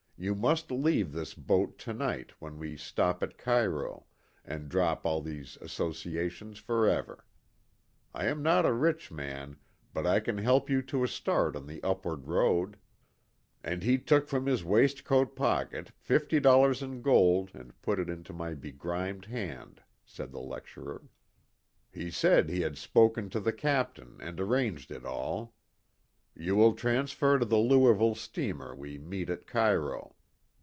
You must leave this boat to night when we stop at Cairo, and drop all these associations forever. I am not a rich man, but I can help you to a start on the upward road." " And he took from his waistcoat pocket fifty dollars in gold and put it into my begrimed hand," said the lecturer. " He said he had i8 spoken to the captain and arranged it all. ' You will transfer to the Louisville steamer we meet at Cairo.